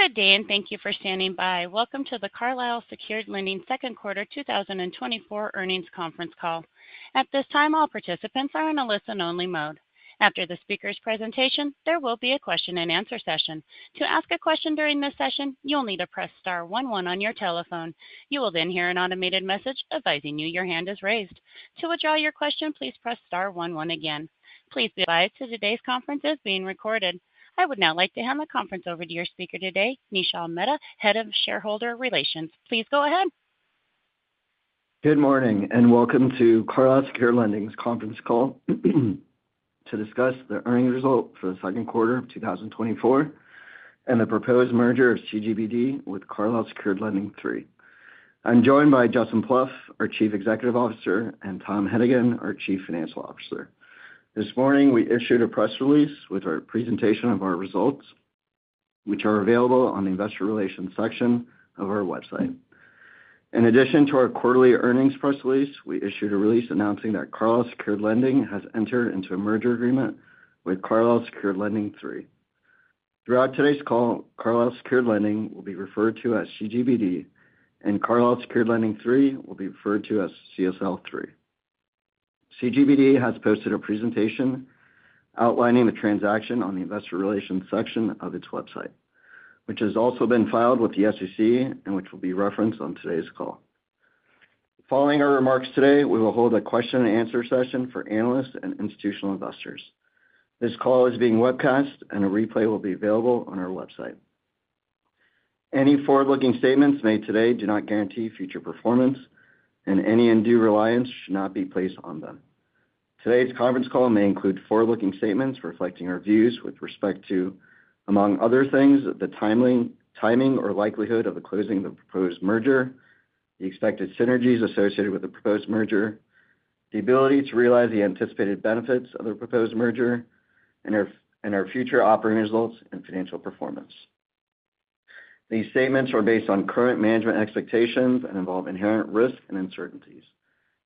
Good day, and thank you for standing by. Welcome to the Carlyle Secured Lending Second Quarter 2024 Earnings Conference Call. At this time, all participants are in a listen-only mode. After the speaker's presentation, there will be a question-and-answer session. To ask a question during this session, you will need to press star one one on your telephone. You will then hear an automated message advising you your hand is raised. To withdraw your question, please press star one one again. Please be advised that today's conference is being recorded. I would now like to hand the conference over to your speaker today, Nishil Mehta, Head of Shareholder Relations. Please go ahead. Good morning, and welcome to Carlyle Secured Lending's conference call, to discuss the earnings results for the second quarter of 2024, and the proposed merger of CGBD with Carlyle Secured Lending III. I'm joined by Justin Plouffe, our Chief Executive Officer, and Tom Hennigan, our Chief Financial Officer. This morning, we issued a press release with our presentation of our results, which are available on the investor relations section of our website. In addition to our quarterly earnings press release, we issued a release announcing that Carlyle Secured Lending has entered into a merger agreement with Carlyle Secured Lending III. Throughout today's call, Carlyle Secured Lending will be referred to as CGBD, and Carlyle Secured Lending III will be referred to as CSL III. CGBD has posted a presentation outlining the transaction on the investor relations section of its website, which has also been filed with the SEC and which will be referenced on today's call. Following our remarks today, we will hold a question-and-answer session for analysts and institutional investors. This call is being webcast, and a replay will be available on our website. Any forward-looking statements made today do not guarantee future performance, and any undue reliance should not be placed on them. Today's conference call may include forward-looking statements reflecting our views with respect to, among other things, the timing, timing or likelihood of the closing of the proposed merger, the expected synergies associated with the proposed merger, the ability to realize the anticipated benefits of the proposed merger, and our, and our future operating results and financial performance. These statements are based on current management expectations and involve inherent risks and uncertainties,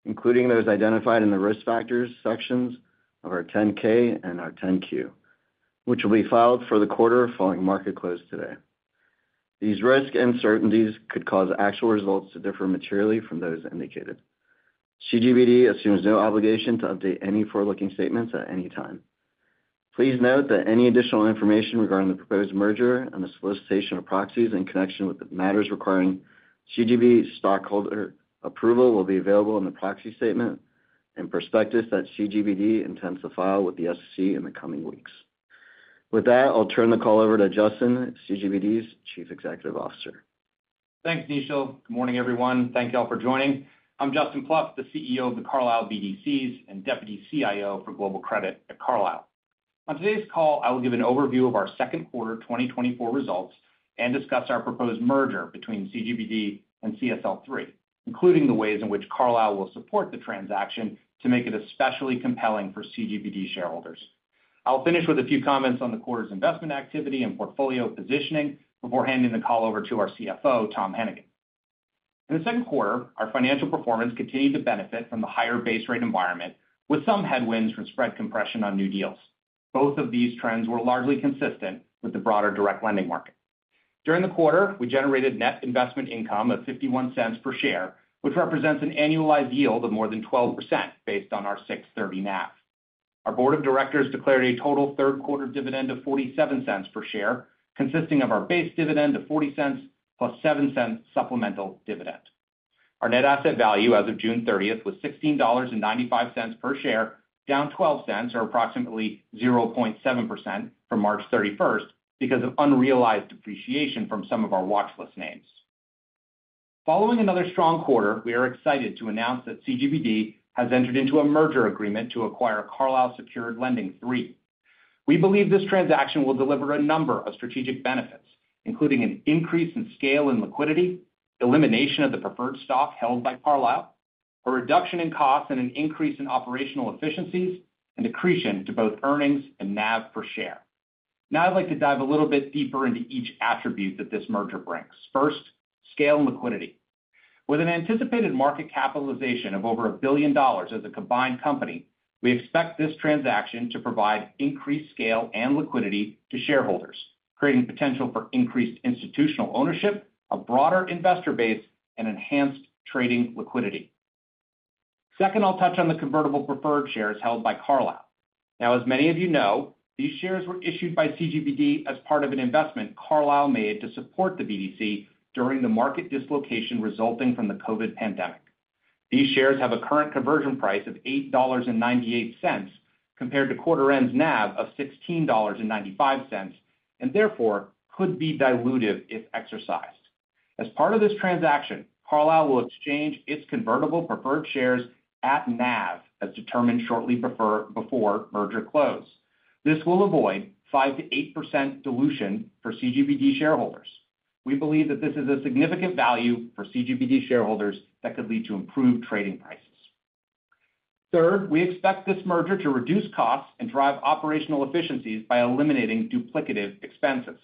including those identified in the risk factors sections of our 10-K and our 10-Q, which will be filed for the quarter following market close today. These risks and uncertainties could cause actual results to differ materially from those indicated. CGBD assumes no obligation to update any forward-looking statements at any time. Please note that any additional information regarding the proposed merger and the solicitation of proxies in connection with the matters requiring CGBD stockholder approval will be available in the proxy statement and prospectus that CGBD intends to file with the SEC in the coming weeks. With that, I'll turn the call over to Justin, CGBD's Chief Executive Officer. Thanks, Nishil. Good morning, everyone. Thank you all for joining. I'm Justin Plouffe, the CEO of the Carlyle BDCs and Deputy CIO for Global Credit at Carlyle. On today's call, I will give an overview of our second quarter 2024 results and discuss our proposed merger between CGBD and CSL III, including the ways in which Carlyle will support the transaction to make it especially compelling for CGBD shareholders. I'll finish with a few comments on the quarter's investment activity and portfolio positioning before handing the call over to our CFO, Tom Hennigan. In the second quarter, our financial performance continued to benefit from the higher base rate environment, with some headwinds from spread compression on new deals. Both of these trends were largely consistent with the broader direct lending market. During the quarter, we generated net investment income of $0.51 per share, which represents an annualized yield of more than 12% based on our 6/30 NAV. Our board of directors declared a total third quarter dividend of $0.47 per share, consisting of our base dividend of $0.40 plus $0.07 supplemental dividend. Our net asset value as of June 30 was $16.95 per share, down $0.12, or approximately 0.7% from March 31 because of unrealized depreciation from some of our watchlist names. Following another strong quarter, we are excited to announce that CGBD has entered into a merger agreement to acquire Carlyle Secured Lending III. We believe this transaction will deliver a number of strategic benefits, including an increase in scale and liquidity, elimination of the preferred stock held by Carlyle, a reduction in costs and an increase in operational efficiencies, and accretion to both earnings and NAV per share. Now, I'd like to dive a little bit deeper into each attribute that this merger brings. First, scale and liquidity. With an anticipated market capitalization of over $1 billion as a combined company, we expect this transaction to provide increased scale and liquidity to shareholders, creating potential for increased institutional ownership, a broader investor base, and enhanced trading liquidity. Second, I'll touch on the convertible preferred shares held by Carlyle. Now, as many of you know, these shares were issued by CGBD as part of an investment Carlyle made to support the BDC during the market dislocation resulting from the COVID pandemic. These shares have a current conversion price of $8.98, compared to quarter-end's NAV of $16.95, and therefore could be dilutive if exercised. As part of this transaction, Carlyle will exchange its convertible preferred shares at NAV, as determined shortly before merger close. This will avoid 5%-8% dilution for CGBD shareholders. We believe that this is a significant value for CGBD shareholders that could lead to improved trading prices. Third, we expect this merger to reduce costs and drive operational efficiencies by eliminating duplicative expenses.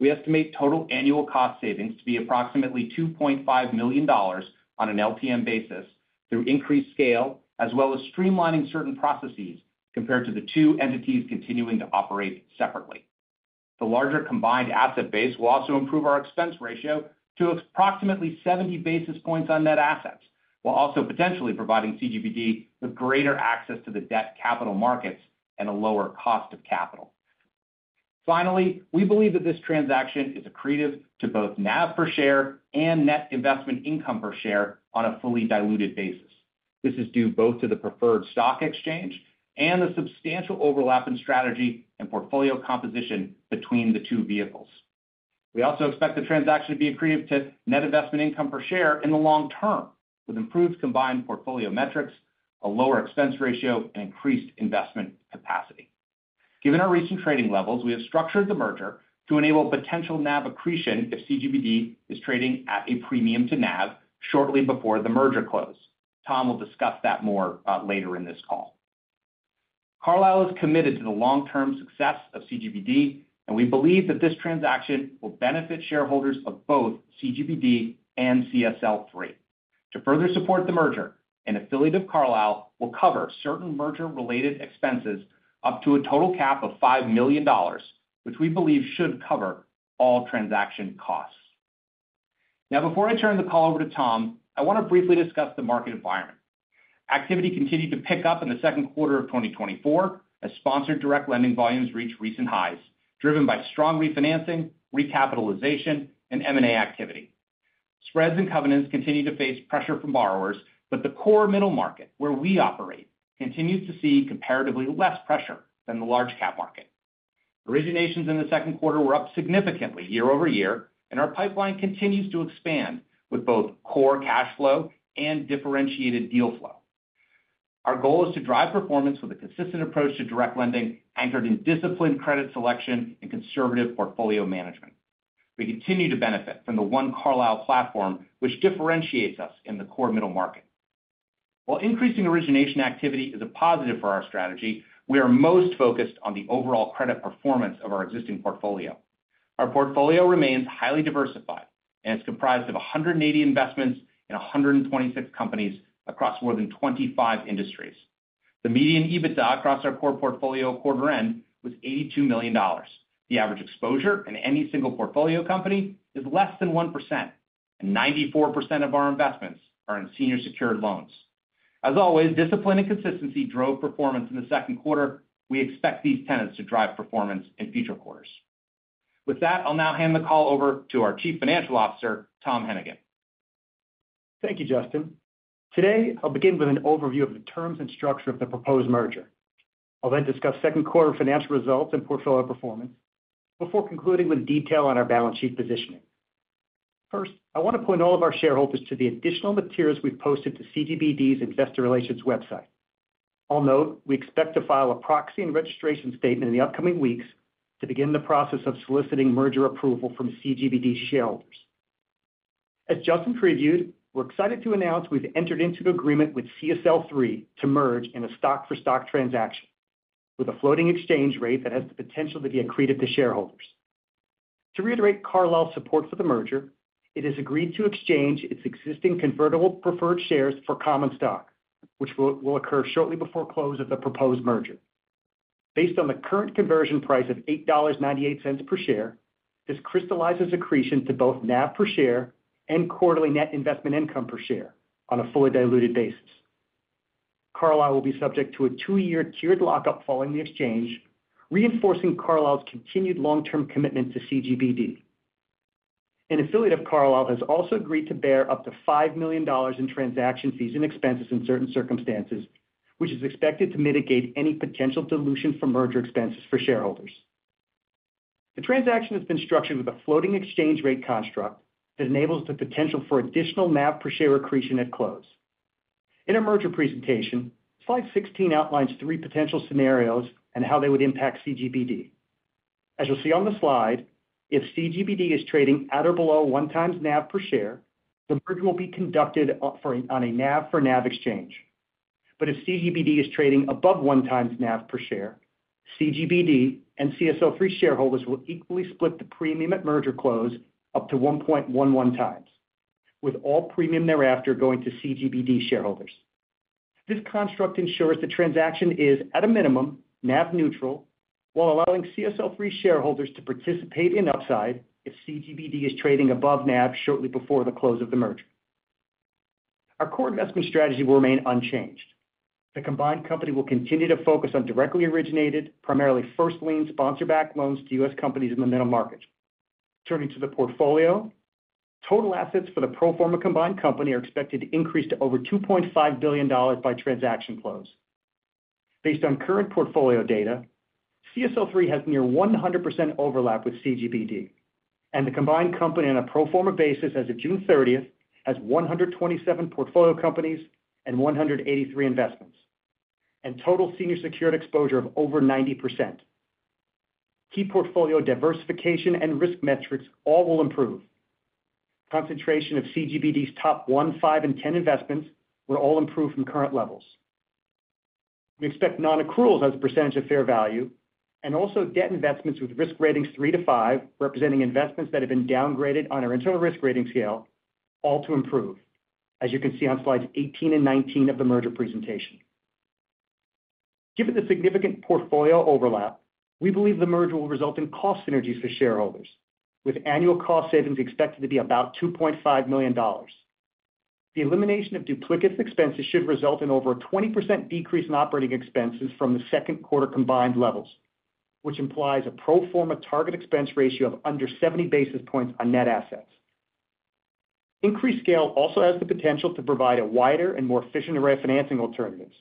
We estimate total annual cost savings to be approximately $2.5 million on an LTM basis through increased scale, as well as streamlining certain processes compared to the two entities continuing to operate separately. The larger combined asset base will also improve our expense ratio to approximately 70 basis points on net assets, while also potentially providing CGBD with greater access to the debt capital markets and a lower cost of capital. Finally, we believe that this transaction is accretive to both NAV per share and net investment income per share on a fully diluted basis. This is due both to the preferred stock exchange and the substantial overlap in strategy and portfolio composition between the two vehicles. We also expect the transaction to be accretive to net investment income per share in the long term, with improved combined portfolio metrics, a lower expense ratio, and increased investment capacity. Given our recent trading levels, we have structured the merger to enable potential NAV accretion if CGBD is trading at a premium to NAV shortly before the merger close. Tom will discuss that more later in this call. Carlyle is committed to the long-term success of CGBD, and we believe that this transaction will benefit shareholders of both CGBD and CSL III. To further support the merger, an affiliate of Carlyle will cover certain merger-related expenses up to a total cap of $5 million, which we believe should cover all transaction costs. Now, before I turn the call over to Tom, I want to briefly discuss the market environment. Activity continued to pick up in the second quarter of 2024 as sponsored direct lending volumes reached recent highs, driven by strong refinancing, recapitalization, and M&A activity. Spreads and covenants continue to face pressure from borrowers, but the core middle market, where we operate, continues to see comparatively less pressure than the large cap market. Originations in the second quarter were up significantly year-over-year, and our pipeline continues to expand with both core cash flow and differentiated deal flow. Our goal is to drive performance with a consistent approach to direct lending, anchored in disciplined credit selection and conservative portfolio management. We continue to benefit from the One Carlyle platform, which differentiates us in the core middle market. While increasing origination activity is a positive for our strategy, we are most focused on the overall credit performance of our existing portfolio. Our portfolio remains highly diversified and is comprised of 180 investments in 126 companies across more than 25 industries. The median EBITDA across our core portfolio at quarter-end was $82 million. The average exposure in any single portfolio company is less than 1%, and 94% of our investments are in senior secured loans. As always, discipline and consistency drove performance in the second quarter. We expect these tenets to drive performance in future quarters. With that, I'll now hand the call over to our Chief Financial Officer, Tom Hennigan. Thank you, Justin. Today, I'll begin with an overview of the terms and structure of the proposed merger. I'll then discuss second quarter financial results and portfolio performance before concluding with detail on our balance sheet positioning. First, I want to point all of our shareholders to the additional materials we've posted to CGBD's investor relations website. I'll note, we expect to file a proxy and registration statement in the upcoming weeks to begin the process of soliciting merger approval from CGBD shareholders. As Justin previewed, we're excited to announce we've entered into an agreement with CSL III to merge in a stock-for-stock transaction with a floating exchange rate that has the potential to be accretive to shareholders. To reiterate Carlyle's support for the merger, it has agreed to exchange its existing convertible preferred shares for common stock, which will occur shortly before close of the proposed merger. Based on the current conversion price of $8.98 per share, this crystallizes accretion to both NAV per share and quarterly net investment income per share on a fully diluted basis. Carlyle will be subject to a two-year tiered lockup following the exchange, reinforcing Carlyle's continued long-term commitment to CGBD. An affiliate of Carlyle has also agreed to bear up to $5 million in transaction fees and expenses in certain circumstances, which is expected to mitigate any potential dilution from merger expenses for shareholders. The transaction has been structured with a floating exchange rate construct that enables the potential for additional NAV per share accretion at close. In our merger presentation, slide 16 outlines three potential scenarios and how they would impact CGBD. As you'll see on the slide, if CGBD is trading at or below 1x NAV per share, the merger will be conducted on a NAV-for-NAV exchange. But if CGBD is trading above 1x NAV per share, CGBD and CSL III shareholders will equally split the premium at merger close up to 1.11x, with all premium thereafter going to CGBD shareholders. This construct ensures the transaction is, at a minimum, NAV neutral, while allowing CSL III shareholders to participate in upside if CGBD is trading above NAV shortly before the close of the merger. Our core investment strategy will remain unchanged. The combined company will continue to focus on directly originated, primarily first lien, sponsor-backed loans to US companies in the middle market. Turning to the portfolio, total assets for the pro-forma combined company are expected to increase to over $2.5 billion by transaction close. Based on current portfolio data, CSL III has near 100% overlap with CGBD, and the combined company, on a pro forma basis as of June 30, has 127 portfolio companies and 183 investments, and total senior secured exposure of over 90%. Key portfolio diversification and risk metrics all will improve. Concentration of CGBD's top 1, 5, and 10 investments will all improve from current levels. We expect non-accruals as a percentage of fair value and also debt investments with risk ratings 3-5, representing investments that have been downgraded on our internal risk rating scale, all to improve, as you can see on slides 18 and 19 of the merger presentation. Given the significant portfolio overlap, we believe the merger will result in cost synergies for shareholders, with annual cost savings expected to be about $2.5 million. The elimination of duplicate expenses should result in over a 20% decrease in operating expenses from the second quarter combined levels, which implies a pro forma target expense ratio of under 70 basis points on net assets. Increased scale also has the potential to provide a wider and more efficient array of financing alternatives,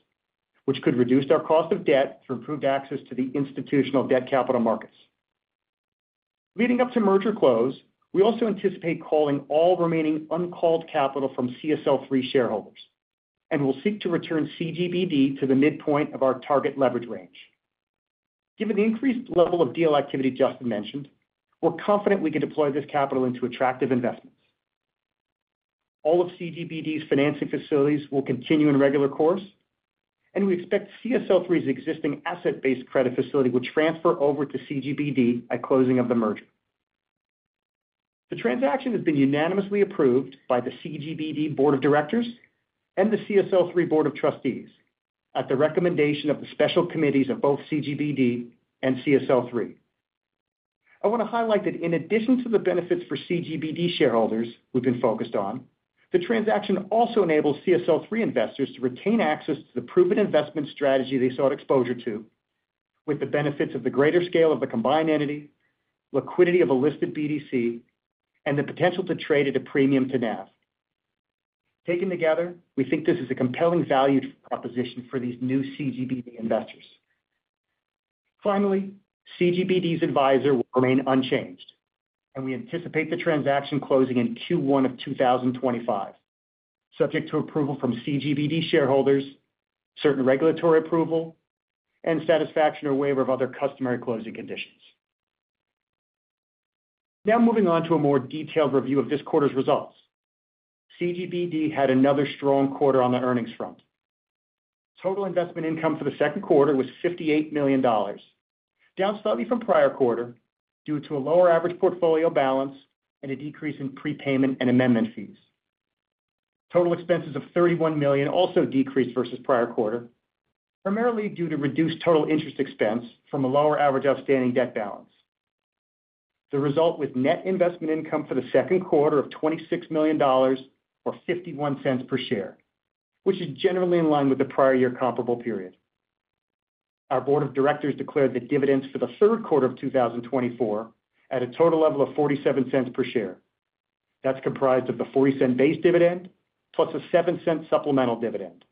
which could reduce our cost of debt through improved access to the institutional debt capital markets. Leading up to merger close, we also anticipate calling all remaining uncalled capital from CSL III shareholders, and we'll seek to return CGBD to the midpoint of our target leverage range. Given the increased level of deal activity Justin mentioned, we're confident we can deploy this capital into attractive investments. All of CGBD's financing facilities will continue in regular course, and we expect CSL Three's existing asset-based credit facility will transfer over to CGBD at closing of the merger. The transaction has been unanimously approved by the CGBD Board of Directors and the CSL III Board of Trustees at the recommendation of the special committees of both CGBD and CSL III. I want to highlight that in addition to the benefits for CGBD shareholders we've been focused on, the transaction also enables CSL III investors to retain access to the proven investment strategy they sought exposure to, with the benefits of the greater scale of the combined entity, liquidity of a listed BDC, and the potential to trade at a premium to NAV. Taken together, we think this is a compelling value proposition for these new CGBD investors. Finally, CGBD's advisor will remain unchanged, and we anticipate the transaction closing in Q1 of 2025, subject to approval from CGBD shareholders, certain regulatory approval and satisfaction or waiver of other customary closing conditions. Now moving on to a more detailed review of this quarter's results. CGBD had another strong quarter on the earnings front. Total investment income for the second quarter was $58 million, down slightly from prior quarter due to a lower average portfolio balance and a decrease in prepayment and amendment fees. Total expenses of $31 million also decreased versus prior quarter, primarily due to reduced total interest expense from a lower average outstanding debt balance. The result with net investment income for the second quarter of $26 million or $0.51 per share, which is generally in line with the prior year comparable period. Our board of directors declared the dividends for the third quarter of 2024 at a total level of $0.47 per share. That's comprised of the $0.04 base dividend plus a $0.07 supplemental dividend,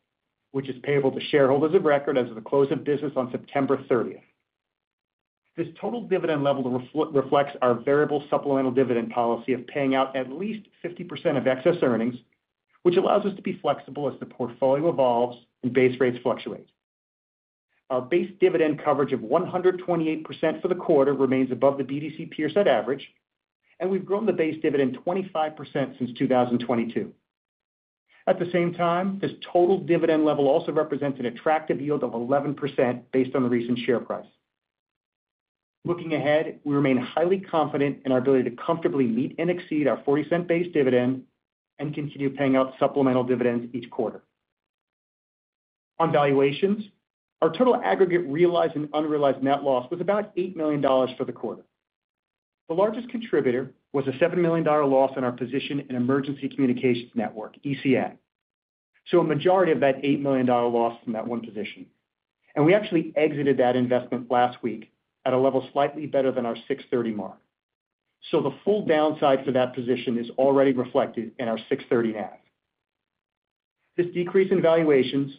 which is payable to shareholders of record as of the close of business on September 30th. This total dividend level reflects our variable supplemental dividend policy of paying out at least 50% of excess earnings, which allows us to be flexible as the portfolio evolves and base rates fluctuate. Our base dividend coverage of 128% for the quarter remains above the BDC peer set average, and we've grown the base dividend 25% since 2022. At the same time, this total dividend level also represents an attractive yield of 11% based on the recent share price. Looking ahead, we remain highly confident in our ability to comfortably meet and exceed our $0.40 base dividend and continue paying out supplemental dividends each quarter. On valuations, our total aggregate realized and unrealized net loss was about $8 million for the quarter. The largest contributor was a $7 million loss in our position in Emergency Communications Network, ECN. So a majority of that $8 million loss from that one position, and we actually exited that investment last week at a level slightly better than our 6/30 mark. So the full downside for that position is already reflected in our 6/30 NAV. This decrease in valuations,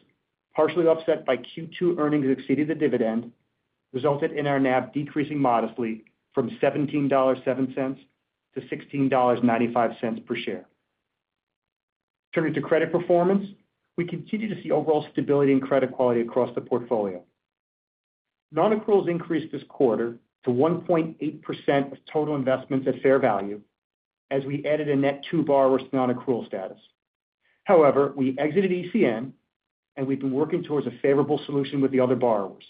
partially offset by Q2 earnings that exceeded the dividend, resulted in our NAV decreasing modestly from $17.07 to $16.95 per share. Turning to credit performance, we continue to see overall stability and credit quality across the portfolio. Non-accruals increased this quarter to 1.8% of total investments at fair value as we added a net two borrowers to non-accrual status. However, we exited ECN, and we've been working towards a favorable solution with the other borrowers.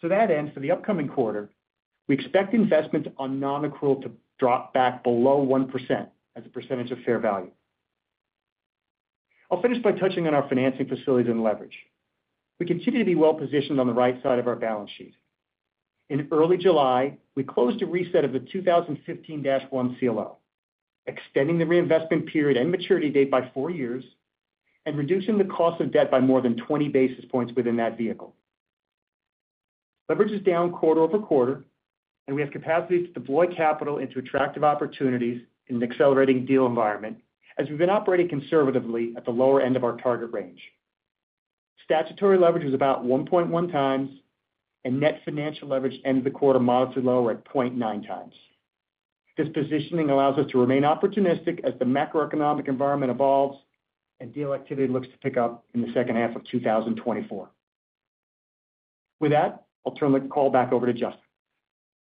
To that end, for the upcoming quarter, we expect investments on non-accrual to drop back below 1% as a percentage of fair value. I'll finish by touching on our financing facilities and leverage. We continue to be well positioned on the right side of our balance sheet. In early July, we closed a reset of the 2015-1 CLO, extending the reinvestment period and maturity date by four years and reducing the cost of debt by more than 20 basis points within that vehicle. Leverage is down quarter-over-quarter, and we have capacity to deploy capital into attractive opportunities in an accelerating deal environment as we've been operating conservatively at the lower end of our target range. Statutory leverage was about 1.1x, and net financial leverage ended the quarter modestly lower at 0.9x. This positioning allows us to remain opportunistic as the macroeconomic environment evolves and deal activity looks to pick up in the H2 of 2024.... With that, I'll turn the call back over to Justin.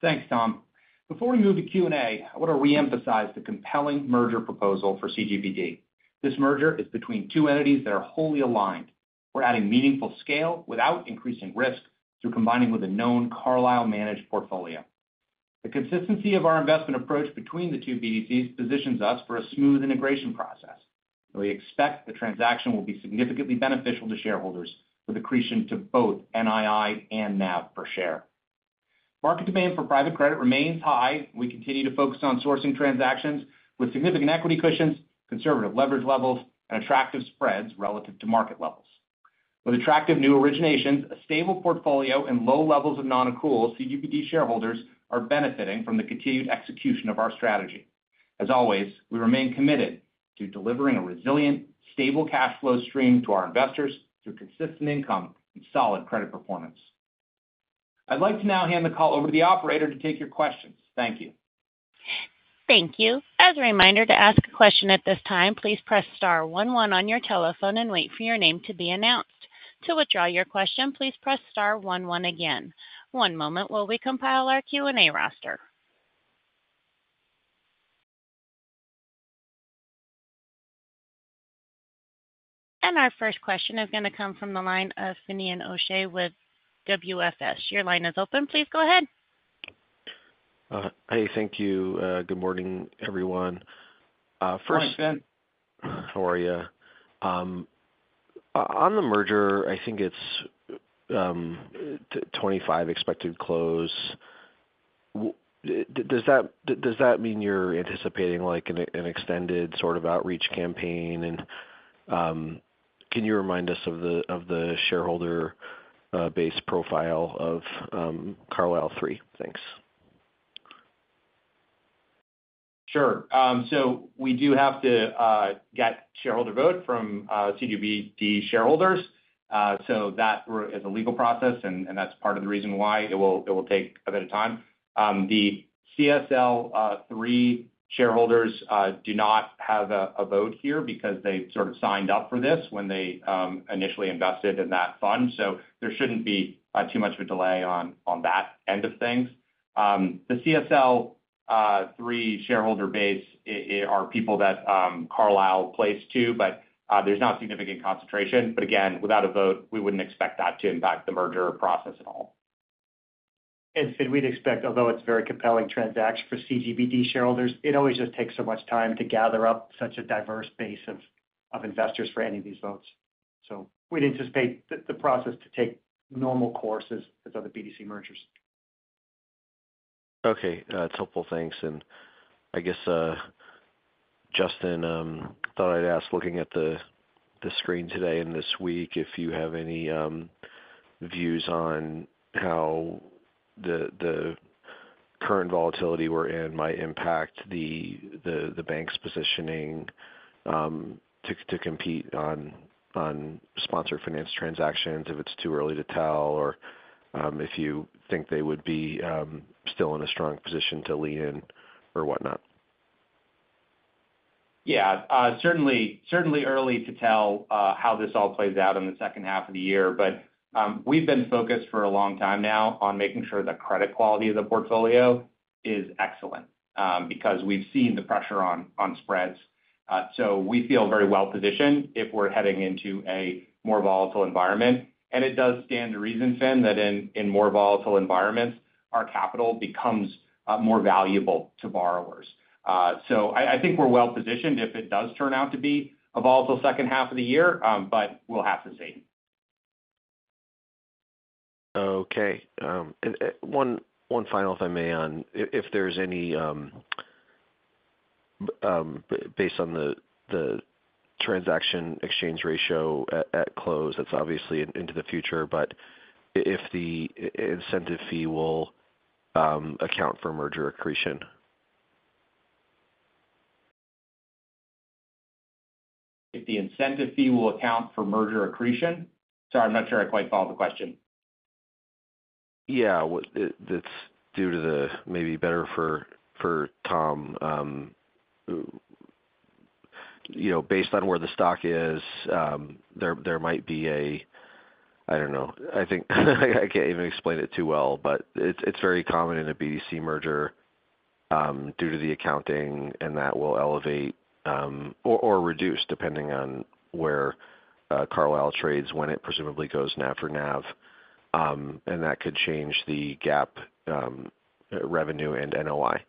Thanks, Tom. Before we move to Q&A, I want to reemphasize the compelling merger proposal for CGBD. This merger is between two entities that are wholly aligned. We're adding meaningful scale without increasing risk through combining with a known Carlyle managed portfolio. The consistency of our investment approach between the two BDCs positions us for a smooth integration process. We expect the transaction will be significantly beneficial to shareholders, with accretion to both NII and NAV per share. Market demand for private credit remains high. We continue to focus on sourcing transactions with significant equity cushions, conservative leverage levels, and attractive spreads relative to market levels. With attractive new originations, a stable portfolio, and low levels of non-accrual, CGBD shareholders are benefiting from the continued execution of our strategy. As always, we remain committed to delivering a resilient, stable cash flow stream to our investors through consistent income and solid credit performance. I'd like to now hand the call over to the operator to take your questions. Thank you. Thank you. As a reminder, to ask a question at this time, please press star one one on your telephone and wait for your name to be announced. To withdraw your question, please press star one one again. One moment while we compile our Q&A roster. Our first question is going to come from the line of Finian O'Shea with WFS. Your line is open. Please go ahead. Hey, thank you. Good morning, everyone. First- Good morning, Fin. How are you? On the merger, I think it's 25 expected close. Does that mean you're anticipating, like, an extended sort of outreach campaign? And can you remind us of the shareholder base profile of Carlyle III? Thanks. Sure. So we do have to get shareholder vote from CGBD shareholders, so that which is a legal process, and that's part of the reason why it will take a bit of time. The CSL III shareholders do not have a vote here because they sort of signed up for this when they initially invested in that fund. So there shouldn't be too much of a delay on that end of things. The CSL III shareholder base are people that Carlyle plays to, but there's not significant concentration. But again, without a vote, we wouldn't expect that to impact the merger process at all. Fin, we'd expect, although it's a very compelling transaction for CGBD shareholders, it always just takes so much time to gather up such a diverse base of investors for any of these votes. So we'd anticipate the process to take normal course as other BDC mergers. Okay, it's helpful. Thanks. And I guess, Justin, thought I'd ask, looking at the screen today and this week, if you have any views on how the current volatility we're in might impact the bank's positioning, to compete on sponsor-financed transactions, if it's too early to tell, or if you think they would be still in a strong position to lean in or whatnot? Yeah, certainly, certainly early to tell how this all plays out in the H2 of the year. But we've been focused for a long time now on making sure the credit quality of the portfolio is excellent, because we've seen the pressure on spreads. So we feel very well positioned if we're heading into a more volatile environment. And it does stand to reason, Fin, that in more volatile environments, our capital becomes more valuable to borrowers. So I think we're well positioned if it does turn out to be a volatile H2 of the year, but we'll have to see. Okay, and one final, if I may, on if there's any based on the transaction exchange ratio at close, that's obviously into the future, but if the incentive fee will account for merger accretion? If the incentive fee will account for merger accretion? Sorry, I'm not sure I quite follow the question. Yeah. That's due to the NAV better for Tom. You know, based on where the stock is, there might be a... I don't know. I think I can't even explain it too well, but it's very common in a BDC merger due to the accounting, and that will elevate or reduce, depending on where Carlyle trades, when it presumably goes NAV-for-NAV. And that could change the gap, revenue and NII.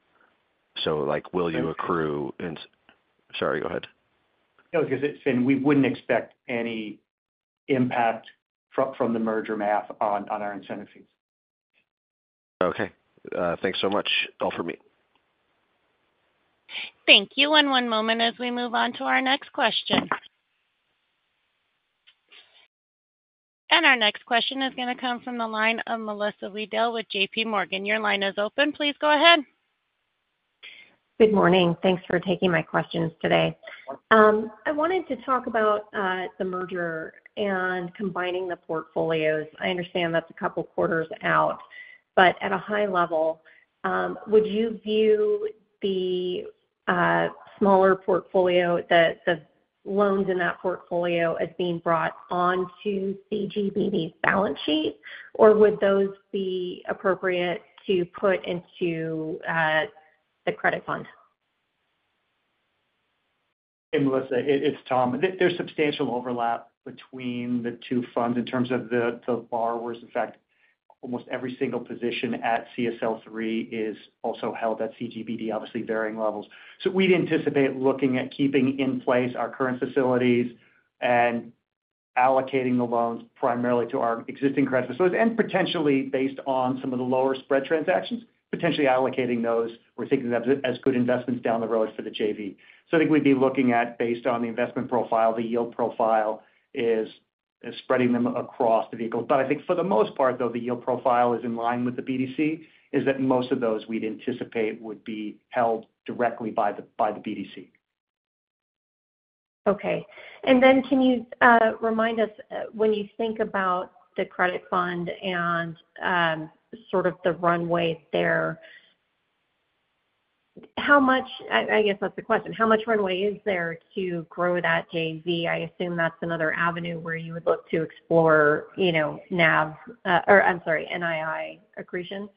So, like, will you accrue and- Sorry. Sorry, go ahead. No, because it, Fin, we wouldn't expect any impact from the merger math on our incentive fees. Okay. Thanks so much. All for me. Thank you, and one moment as we move on to our next question. Our next question is going to come from the line of Melissa Wedel with J.P. Morgan. Your line is open. Please go ahead. Good morning. Thanks for taking my questions today. I wanted to talk about the merger and combining the portfolios. I understand that's a couple quarters out, but at a high level, would you view the smaller portfolio, the loans in that portfolio as being brought on to CGBD's balance sheet? Or would those be appropriate to put into the credit fund? Hey, Melissa, it's Tom. There's substantial overlap between the two funds in terms of the borrowers. In fact, almost every single position at CSL III is also held at CGBD, obviously varying levels. So we'd anticipate looking at keeping in place our current facilities and allocating the loans primarily to our existing credit facilities, and potentially based on some of the lower spread transactions, potentially allocating those. We're thinking of that as good investments down the road for the JV. So I think we'd be looking at, based on the investment profile, the yield profile is spreading them across the vehicles. But I think for the most part, though, the yield profile is in line with the BDC, that most of those we'd anticipate would be held directly by the BDC. Okay. And then can you remind us, when you think about the credit fund and sort of the runway there, how much, I guess that's the question, how much runway is there to grow that JV? I assume that's another avenue where you would look to explore, you know, NAV, or I'm sorry, NII accretion.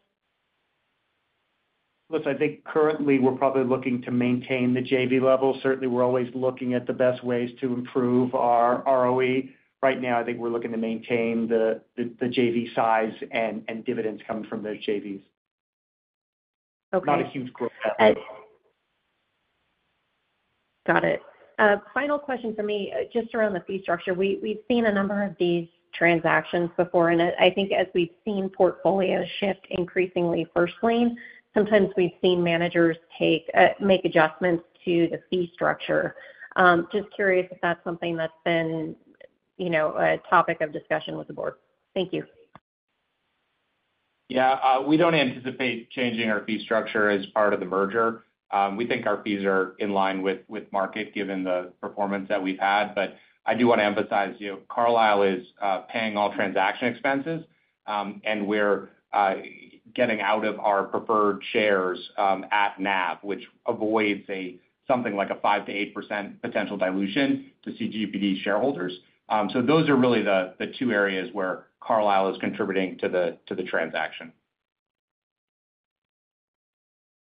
Listen, I think currently we're probably looking to maintain the JV level. Certainly, we're always looking at the best ways to improve our ROE. Right now, I think we're looking to maintain the JV size and dividends coming from those JVs. Okay. Not a huge growth. Got it. Final question for me, just around the fee structure. We've seen a number of these transactions before, and I think as we've seen portfolios shift increasingly first lien, sometimes we've seen managers take make adjustments to the fee structure. Just curious if that's something that's been, you know, a topic of discussion with the board. Thank you. Yeah, we don't anticipate changing our fee structure as part of the merger. We think our fees are in line with market, given the performance that we've had. But I do want to emphasize, you know, Carlyle is paying all transaction expenses, and we're getting out of our preferred shares at NAV, which avoids something like a 5%-8% potential dilution to CGBD shareholders. So those are really the two areas where Carlyle is contributing to the transaction.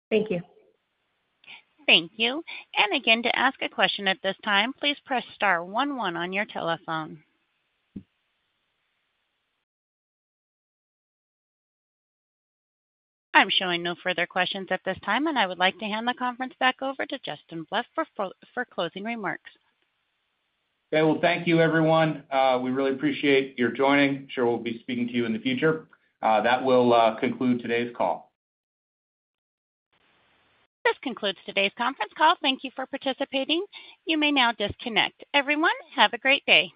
Thank you. Thank you. And again, to ask a question at this time, please press star one, one on your telephone. I'm showing no further questions at this time, and I would like to hand the conference back over to Justin Plouffe for closing remarks. Okay, well, thank you, everyone. We really appreciate your joining. Sure we'll be speaking to you in the future. That will conclude today's call. This concludes today's conference call. Thank you for participating. You may now disconnect. Everyone, have a great day!